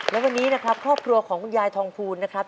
และวันนี้นะครับครอบครัวของคุณยายทองฟูนนะครับ